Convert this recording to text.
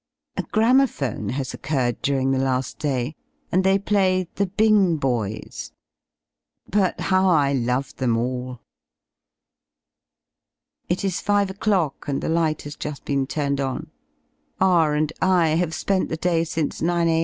A gramophone has occurred during the lafl day, and they play "The Bing Boys." But how I love them all. It is 5 o'clock and the light has j uft been turned on. R and I have spent? the day since 9 a.